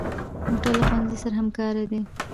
موټر له ښوونځي سره همکار دی.